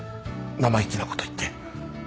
生意気なこと言って。